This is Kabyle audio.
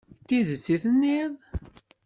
D tidet i d-tenniḍ.